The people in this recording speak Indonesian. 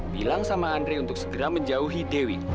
bilang sama andre untuk segera menjauhi dewi